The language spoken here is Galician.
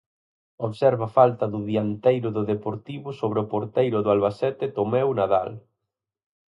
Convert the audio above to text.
Observa falta do dianteiro do Deportivo sobre o porteiro do Albacete Tomeu Nadal.